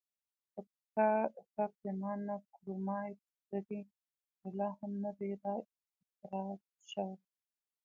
پکتیکا ښه پریمانه کرومایټ لري او لا هم ندي را اختسراج شوي.